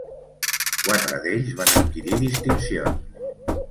Quatre d'ells van adquirir distincions.